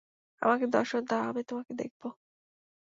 আমাকে দর্শন দাও, আমি তোমাকে দেখব।